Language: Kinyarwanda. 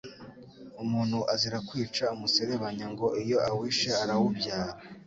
Umuntu azira kwica umuserebanya, ngo iyo awishe arawubyara